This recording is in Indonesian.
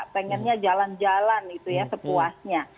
pengennya jalan jalan itu ya sepuasnya